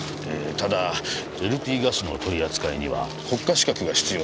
ただＬＰガスの取り扱いには国家資格が必要です。